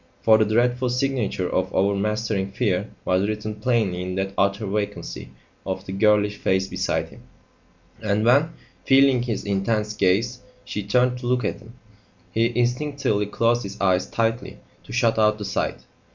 For the dreadful signature of overmastering fear was written plainly in that utter vacancy of the girlish face beside him; and when, feeling his intense gaze, she turned to look at him, he instinctively closed his eyes tightly to shut out the sight.